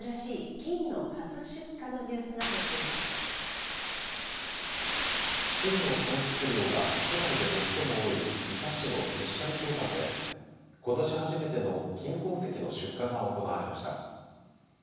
金の産出量が国内で最も多い伊佐市の菱刈鉱山でことし初めての金鉱石の出荷が行われました。